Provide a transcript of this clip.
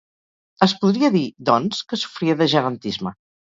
Es podria dir, doncs, que sofria de gegantisme.